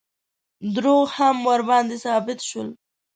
دروغ هم ورباندې ثابت شول.